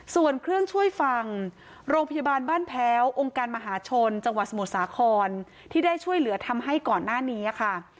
ส่วนเครื่องช่วยฟังโรงพยาบาลบ้านแพ้วองค์การมหาชนจังหวัดสมุทรสาครที่ได้ช่วยเหลือทำให้ก่อนหน้านี้ค่ะ